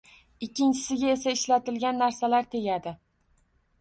Ikkinchisiga esa ishlatilgan narsalar tegadi